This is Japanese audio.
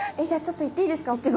じゃちょっといっていいですか？